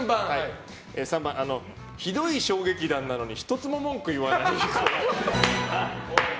３番、ひどい小劇団なのに１つも文句言わない子。